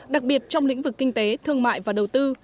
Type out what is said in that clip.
đặc biệt trong lĩnh vực kinh tế thương mại và đầu tư